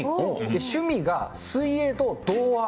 趣味が水泳と童話。